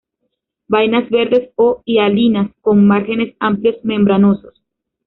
Vainas verdes o hialinas, con márgenes amplios membranosos.